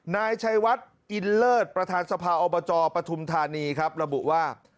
นายชัยวัดอินเลิศประธานสภาอบจปฐุมธานีครับระบุว่า